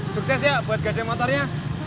sukses ya buat gade motornya